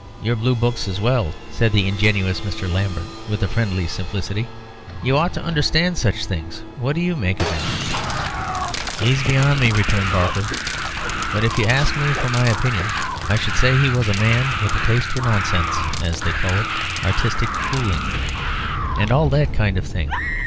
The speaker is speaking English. Your blue books as well," said the ingenuous Mr. Lambert, with a friendly simplicity. "You ought to understand such things. What do you make of him?" "He's beyond me," returned Barker. "But if you asked me for my opinion, I should say he was a man with a taste for nonsense, as they call it artistic fooling, and all that kind of thing.